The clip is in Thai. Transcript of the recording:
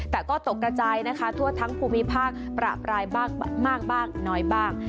แต่ก็ตกกระจายนะคะทั่วทั้งภูมิภาคประปรายบ้างน้อยบ้าง